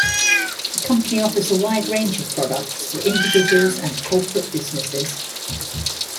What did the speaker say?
The company offers a wide range of products for individuals and corporate businesses.